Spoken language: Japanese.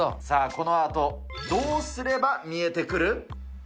さあ、このアート、どうすれば見えてくる？